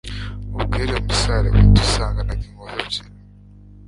Nkubwire Musare wadusanganaga inkovu ebyiri